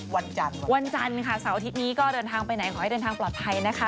วันจันทร์ว่าสาวสัปดาห์อาทิตย์นี้ก็เดินทางไปไหนขอให้เดินทางปลอดภัยนะคะ